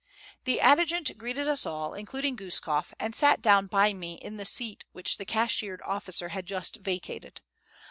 The adjutant greeted us all, including Guskof, and sat down by me in the seat which the cashiered officer had just vacated.